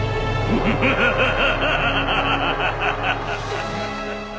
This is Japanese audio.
フハハハハ。